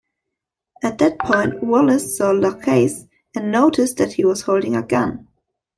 At that point Wallace saw Lacaze, and noticed that he was holding a gun.